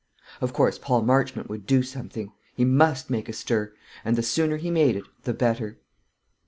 Of course Paul Marchmont would do something. He must make a stir; and the sooner he made it the better.